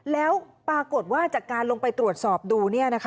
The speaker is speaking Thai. แล้วปรากฏว่าจากการลงไปตรวจสอบดู